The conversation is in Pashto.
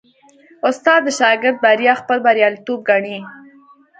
استاد د شاګرد بریا خپل بریالیتوب ګڼي.